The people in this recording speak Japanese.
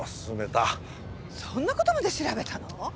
そんな事まで調べたの？